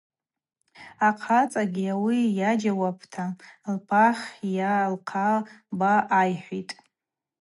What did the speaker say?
Ахъацӏагьи ауи йаджьауапта лхъапахь йа лхъа ба айхӏвитӏ.